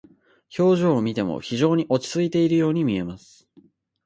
表情を見ても非常に落ち着いているように見えます。